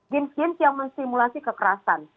game game yang menstimulasi kekerasan